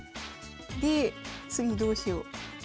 で次どうしよう。